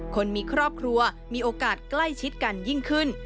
คนมีครอบครัวมีโอกาสใกล้ชิดกันยิ่งขึ้น